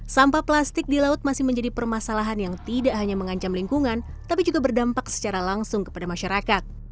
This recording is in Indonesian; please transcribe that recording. sampah plastik di laut masih menjadi permasalahan yang tidak hanya mengancam lingkungan tapi juga berdampak secara langsung kepada masyarakat